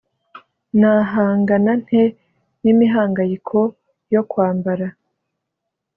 nahangana nte n imihangayiko yo kwambara